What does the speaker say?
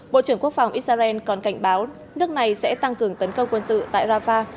bộ trưởng quốc phòng israel còn cảnh báo nước này sẽ tăng cường tấn công quân sự tại rafah